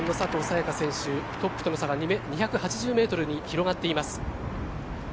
也伽選手トップとの差が２８０ｍに広がっています。